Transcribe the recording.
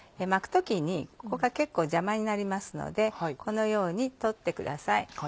巻く時にここが結構邪魔になりますのでこのように取ってください。